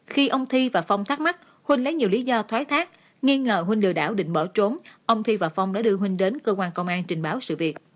khi ông thi và phong thắc mắc huynh lấy nhiều lý do thoái thác nghi ngờ huynh lừa đảo định bỏ trốn ông thi và phong đã đưa huynh đến cơ quan công an trình báo sự việc